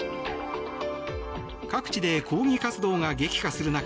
各地で抗議活動が激化する中